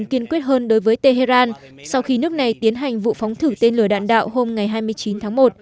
nó sẽ kiên quyết hơn đối với tây heran sau khi nước này tiến hành vụ phóng thử tên lửa đạn đạo hôm hai mươi chín tháng một